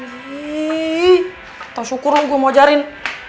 wih tau syukur dong gue mau ajarin